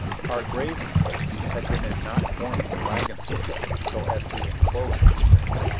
Our grave mistake had been in not forming the wagon circle so as to inclose the spring.